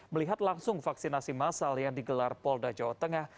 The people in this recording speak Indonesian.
melihat langsung vaksinasi massal yang digelar polda jawa tengah